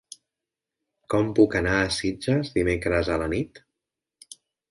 Com puc anar a Sitges dimecres a la nit?